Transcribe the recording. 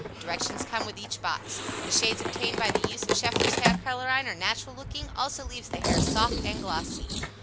Directions come with each box. The shades obtained by the use of Scheffler's Hair Colorine are natural looking also leaves the hair soft and glossy.